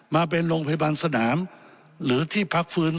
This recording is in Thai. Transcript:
มาเป็นโรงพยาบาลสนามหรือที่พักฟื้น